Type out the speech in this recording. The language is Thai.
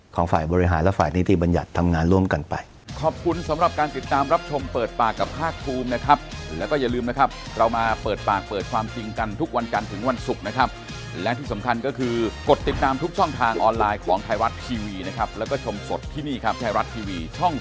ฝ่ายบริหารและฝ่ายนิติบัญญัติทำงานร่วมกันไป